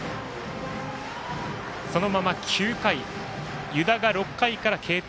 そのまま９回湯田が６回から継投。